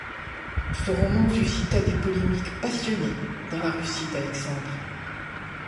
Ce roman suscita des polémiques passionnées dans la Russie d'Alexandre.